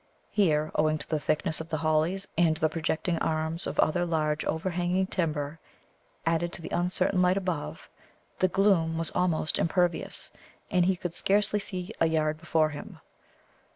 Here, owing to the thickness of the hollies and the projecting arms of other large overhanging timber, added to the uncertain light above, the gloom was almost impervious, and he could scarcely see a yard before him.